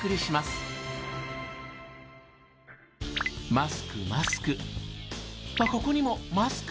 マスクマスク。